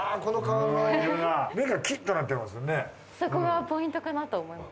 そこがポイントかなと思います。